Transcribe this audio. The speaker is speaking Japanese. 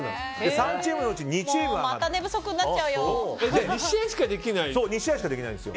３チームのうち２チームがまた寝不足になっちゃうよ！